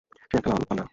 সে একটা লাল পান্ডা!